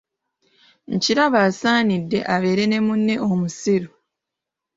Nkilaba, asaanidde abeere ne munne omusiru!